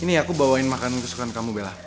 ini aku bawain makanan kesukaan kamu bella